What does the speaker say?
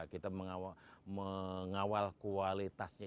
kita mengawal kualitasnya